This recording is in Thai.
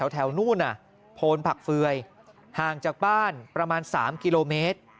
แถวนู่นโพนผักเฟือยห่างจากบ้านประมาณ๓กิโลเมตร